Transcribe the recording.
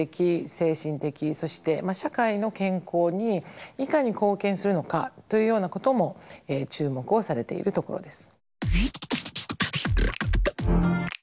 精神的そして社会の健康にいかに貢献するのかというようなことも注目をされているところです。